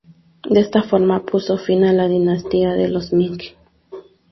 De esta forma, puso fin a la dinastía de los Ming.